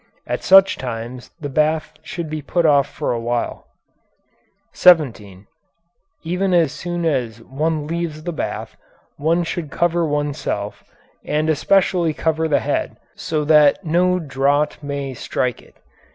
At such times the bath should be put off for a while. 17. As soon as one leaves the bath one should cover oneself, and especially cover the head, so that no draught may strike it.